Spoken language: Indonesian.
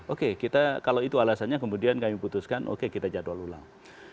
oke kita kalau itu alasannya kemudian kami putuskan oke kita jadwal ulang